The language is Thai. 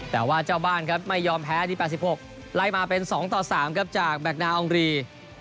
แต่ว่าเจ้าบ้านครับไม่ยอมแพ้ที่๘๖ไล่มาเป็น๒ต่อ๓ครับจากแคนอองรี